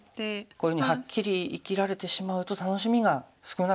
こういうふうにはっきり生きられてしまうと楽しみが少なくなっちゃう。